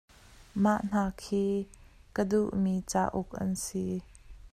Mah hna khi ka duhmi cauk an si.